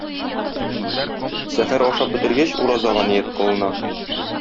Сәхәр ашап бетергәч, уразага ният кылына.